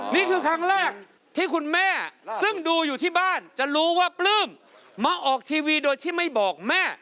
นี่คือครั้งแรกที่คุณแม่ซึ่งดูอยู่ที่บ้านจะรู้ว่าปลื้มมาออกทีวีโดยที่ไม่บอกแม่